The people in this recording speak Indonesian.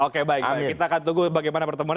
oke baik kita akan tunggu bagaimana pertemuan